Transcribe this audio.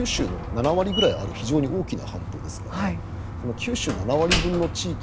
これは九州の７割くらいある非常に大きな半島ですから九州７割分の地域２００